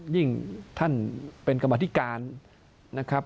ยิ่งท่านเป็นกรรมธิการนะครับ